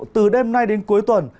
từ đêm nay đến cuối tuần